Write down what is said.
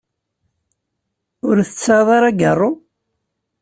Ur tseɛɛuḍ ara agiṛṛu?